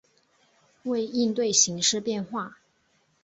为应对形势变化